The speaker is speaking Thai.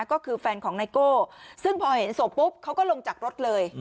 ก็คือแฟนของไนโก้ซึ่งพอเห็นศพปุ๊บเขาก็ลงจากรถเลย